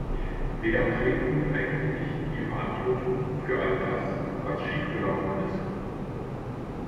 Wer trägt nun eigentlich die Verantwortung für all das, was schiefgelaufen ist?